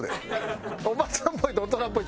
「おばちゃんっぽい」と「大人っぽい」